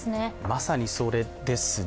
まさにそれですね。